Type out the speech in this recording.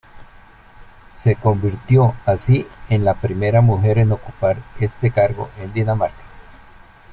Se convirtió, así, en la primera mujer en ocupar este cargo en Dinamarca.